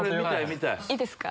いいですか？